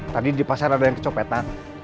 tadi di pasar ada yang kecopetan